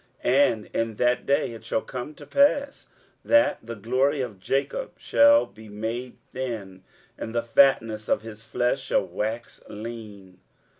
23:017:004 And in that day it shall come to pass, that the glory of Jacob shall be made thin, and the fatness of his flesh shall wax lean.